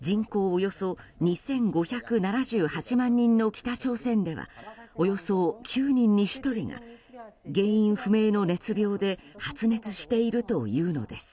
およそ２５７８万人の北朝鮮ではおよそ９人に１人が原因不明の熱病で発熱しているというのです。